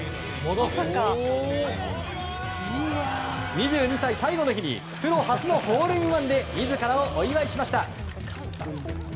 ２２歳最後の日にプロ初のホールインワンで自らをお祝いしました。